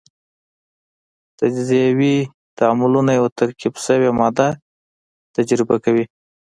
تجزیوي تعاملونه یوه ترکیب شوې ماده تجزیه کوي.